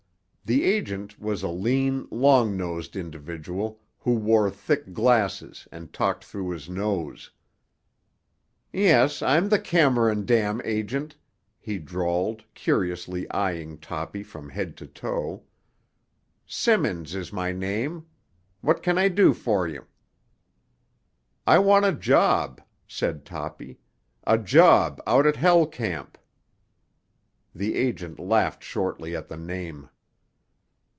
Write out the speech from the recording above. The agent was a lean, long nosed individual who wore thick glasses and talked through his nose. "Yes, I'm the Cameron Dam agent," he drawled, curiously eying Toppy from head to toe. "Simmons is my name. What can I do for you?" "I want a job," said Toppy. "A job out at Hell Camp." The agent laughed shortly at the name.